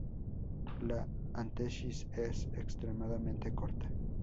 La antesis es extremadamente corta.